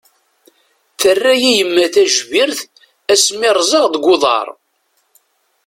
Terra-iyi yemma tajbirt ass mi ṛẓeɣ deg uḍaṛ.